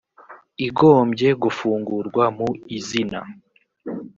igombye gufungurwa mu izina